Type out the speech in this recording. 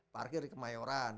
parkir di kemayoran